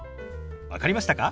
分かりましたか？